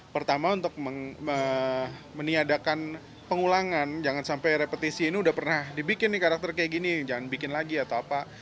pertama untuk meniadakan pengulangan jangan sampai repetisi ini udah pernah dibikin nih karakter kayak gini jangan bikin lagi atau apa